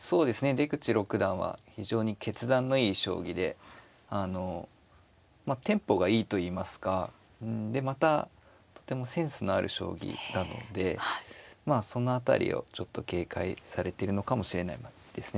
出口六段は非常に決断のいい将棋であのテンポがいいといいますかうんでまたとてもセンスのある将棋なのでまあその辺りをちょっと警戒されているのかもしれないですね。